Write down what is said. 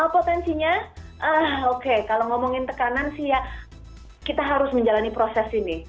potensinya oke kalau ngomongin tekanan sih ya kita harus menjalani proses ini